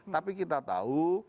tapi kita tahu